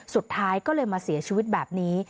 สุดท้ายก็เลยมาเสียชีวิตแบบนี้